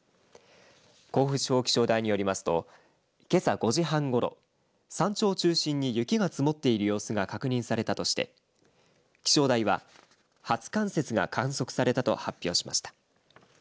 甲府地方気象台によりますとけさ５時半ごろ、山頂を中心に雪が積もっている様子が確認されたとして気象台は初冠雪が観測されたと発表しました。